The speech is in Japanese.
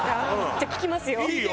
じゃあ聞きますよ。